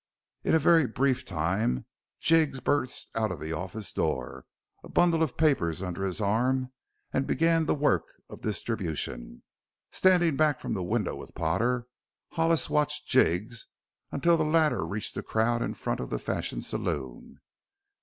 In a very brief time Jiggs burst out of the office door, a bundle of papers under his arm, and began the work of distribution. Standing back from the window with Potter, Hollis watched Jiggs until the latter reached the crowd in front of the Fashion saloon.